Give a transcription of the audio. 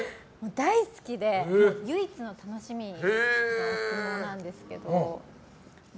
大好きで唯一の楽しみが相撲なんですけど。